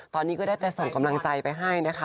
ตอนนี้ก็ได้แต่ส่งกำลังใจไปให้นะคะ